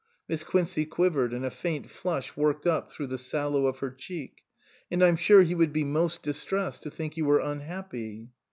(Miss Quincey quivered and a faint flush worked up through the sallow of her cheek.) " And I'm sure he would be most distressed to think you were unhappy."